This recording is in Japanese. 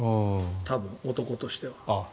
多分、男としては。